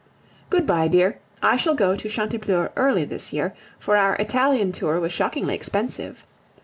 Good bye, dear, I shall go to Chantepleurs early this year, for our Italian tour was shockingly expensive.